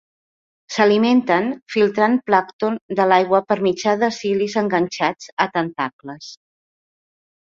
S'alimenten filtrant plàncton de l'aigua per mitjà de cilis enganxats a tentacles.